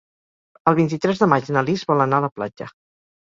El vint-i-tres de maig na Lis vol anar a la platja.